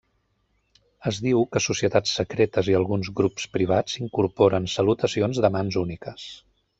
Es diu que societats secretes i alguns grups privats incorporen salutacions de mans úniques.